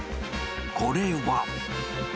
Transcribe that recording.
これは。